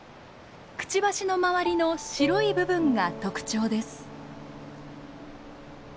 くちばしの周りの白い部分が特徴です。